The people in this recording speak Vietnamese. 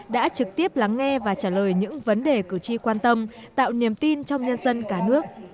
đã trực tiếp lắng nghe và trả lời những vấn đề cử tri quan tâm tạo niềm tin trong nhân dân cả nước